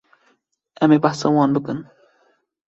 Em ê behsa wan bikin